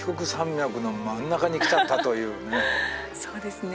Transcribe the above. そうですね。